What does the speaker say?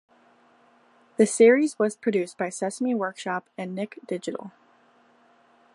The series was produced by Sesame Workshop and Nick Digital.